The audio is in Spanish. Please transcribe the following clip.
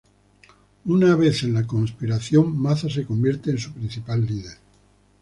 Una vez en la conspiración, Maza se convirtió en su principal líder.